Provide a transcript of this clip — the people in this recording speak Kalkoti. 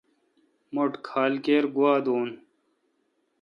مٹھ کھال کیر گوا دو۔